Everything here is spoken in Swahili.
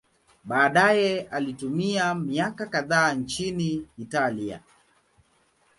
Baadaye alitumia miaka kadhaa nchini Italia.